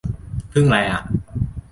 พึ่งไรอ่ะ